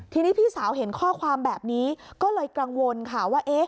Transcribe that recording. ทีนี้พี่สาวเห็นข้อความแบบนี้ก็เลยกังวลค่ะว่า